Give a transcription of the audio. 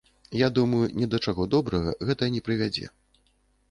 Я думаю, ні да чаго добрага гэта не прывядзе.